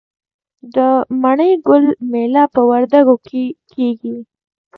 د مڼې ګل میله په وردګو کې کیږي.